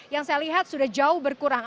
yang saya lihat sudah jauh berkurang